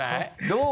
どう？